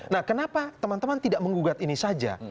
nah kenapa teman teman tidak menggugat ini saja